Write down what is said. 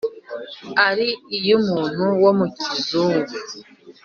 Ari iy'umuntu wo mu kizungu,